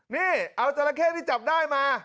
นี่เอาจราเข้ที่จับได้มา